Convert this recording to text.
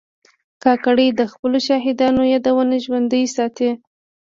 کاکړي د خپلو شهیدانو یادونه ژوندي ساتي.